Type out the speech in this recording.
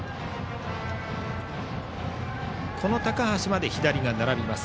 この高橋まで左が並びます。